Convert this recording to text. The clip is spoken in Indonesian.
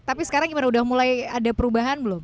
tapi sekarang gimana udah mulai ada perubahan belum